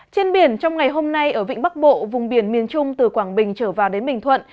trên biển trong ngày hôm nay ở vịnh bắc bộ vùng biển miền trung từ quảng bình trở vào đến bình thuận